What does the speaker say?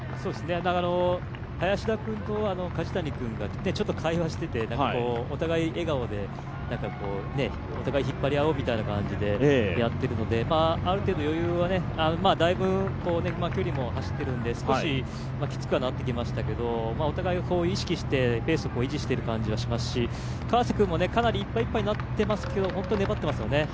林田君と梶谷君が隣で走っててお互い笑顔でお互い引っ張り合おうみたいな感じでやってるのである程度余裕は、だいぶ距離も走っているので少しきつくはなってきましたけど、お互いを意識してペースを維持している感じはしますし、川瀬君はかなりいっぱいいっぱいになっていますが本当に粘ってますよね。